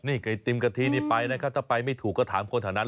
นี่ไก่ติมกะทินี่ไปนะครับถ้าไปไม่ถูกก็ถามคนแถวนั้น